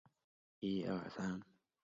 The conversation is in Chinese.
巴里讷后帕涅人口变化图示